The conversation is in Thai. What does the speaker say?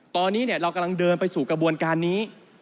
ตอนนี้เรากำลังเดินไปสู่กระบวนการนี้